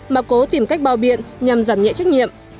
mà cố tìm cách bao biện nhằm giảm nhẹ trách nhiệm